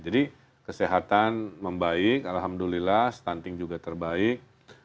jadi kesehatan membaik alhamdulillah stunting juga terbaik